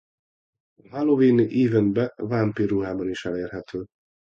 A Halloween-i Event-be vámpír ruhába is elérhető.